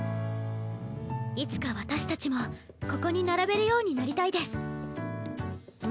いつか私たちもここに並べるようになりたいです。